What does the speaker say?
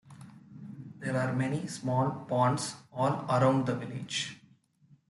There are many small ponds all around the village.